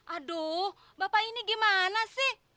aduh bapak ini gimana sih